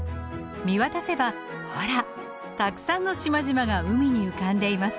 見渡せばほらたくさんの島々が海に浮かんでいます。